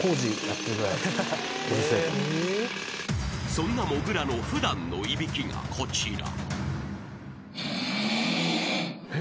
［そんなもぐらの普段のいびきがこちら］